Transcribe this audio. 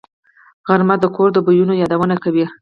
غرمه د کور د بویونو یادونه کوي